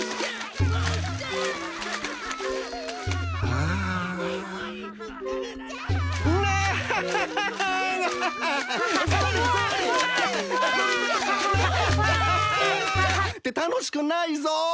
わはは！って楽しくないぞ！